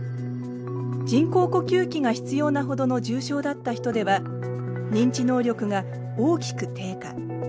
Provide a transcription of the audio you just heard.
人工呼吸器が必要なほどの重症だった人では認知能力が大きく低下。